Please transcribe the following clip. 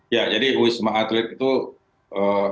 ya jadi wisma atlet itu dia menjadi rumah sakit dengan kasus